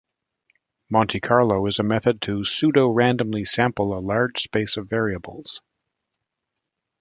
Monte-Carlo is a method to pseudo-randomly sample a large space of variables.